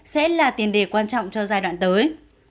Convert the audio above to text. sẽ là tiền đề quan trọng cho giai đoạn tới